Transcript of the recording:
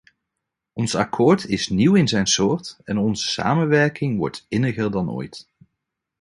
Ons akkoord is nieuw in zijn soort en onze samenwerking wordt inniger dan ooit.